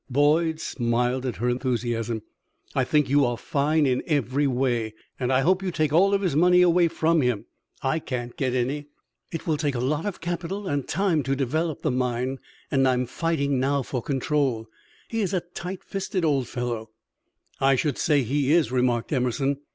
Boyd smiled at her enthusiasm. "I think you are fine in every way, and I hope you take all of his money away from him. I can't get any." "It will take a lot of capital and time to develop the mine, and I am fighting now for control he is a tight fisted old fellow." "I should say he is," remarked Emerson.